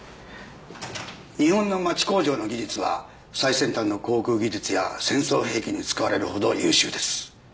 日本の町工場の技術は最先端の航空技術や戦争兵器に使われるほど優秀です。